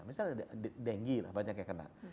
misalnya dengi lah banyak yang kena